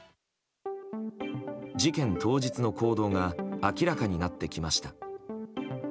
事件当日の行動が明らかになってきました。